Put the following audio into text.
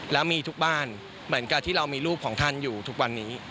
แล้วมีทุกบ้านเหมือนกับที่เรามีรูปของท่านอยู่ทุกวันนี้